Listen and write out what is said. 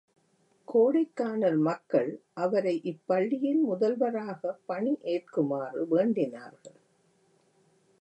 கோடைக்கானல் மக்கள் அவரை இப்பள்ளியின் முதல்வராகப் பணி ஏற்குமாறு வேண்டினார்கள்.